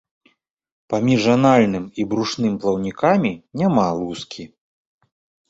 Паміж анальным і брушным плаўнікамі няма лускі.